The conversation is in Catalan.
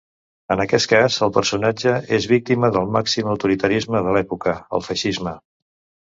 En aquest cas el personatge és víctima del màxim autoritarisme de l'època: el feixisme.